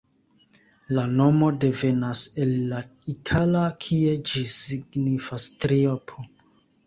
La nomo devenas el la itala, kie ĝi signifas triopo.